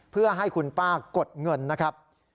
เพื่อให้คุณป้ากดเงินนะครับ